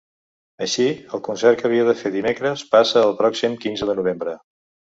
Així, el concert que havia de fer dimecres passa al pròxim quinze de novembre.